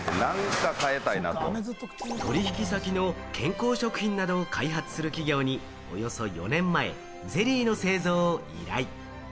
取引先の健康食品などを開発する企業に、およそ４年前、ゼリーの製造を依頼。